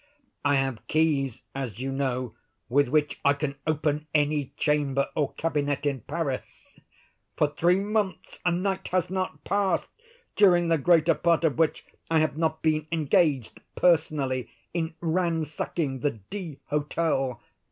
I have keys, as you know, with which I can open any chamber or cabinet in Paris. For three months a night has not passed, during the greater part of which I have not been engaged, personally, in ransacking the D—— Hotel.